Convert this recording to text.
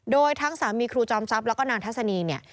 โดยทั้งสามีครูจอมทรัพย์แล้วก็นางทัศนีเนี่ย